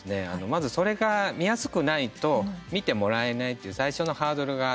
まず、それが見やすくないと見てもらえないという最初のハードルがあって